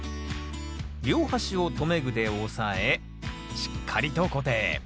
両端を留め具で押さえしっかりと固定。